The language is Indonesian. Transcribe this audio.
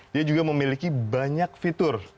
dia juga memiliki banyak fitur